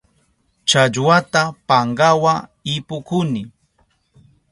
Challwata pankawa ipukuni.